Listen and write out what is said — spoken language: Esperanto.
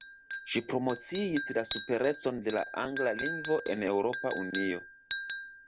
Ŝi promociis la superecon de la angla lingvo en Eŭropa Unio.